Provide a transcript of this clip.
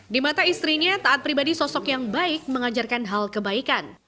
di mata istrinya taat pribadi sosok yang baik mengajarkan hal kebaikan